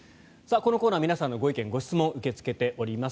このコーナー皆さんのご意見・ご質問を受け付けております。